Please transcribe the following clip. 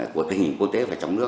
của tình hình quốc tế